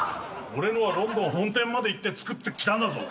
俺のはロンドン本店まで行って作ってきたんだぞ？